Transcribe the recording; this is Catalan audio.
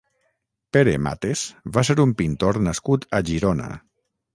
Pere Mates va ser un pintor nascut a Girona.